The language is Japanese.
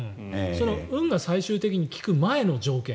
運が最終的に効く前の条件